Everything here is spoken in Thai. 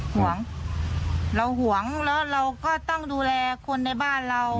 ห่วงเราห่วงแล้วเราก็ต้องดูแลคนในบ้านเรา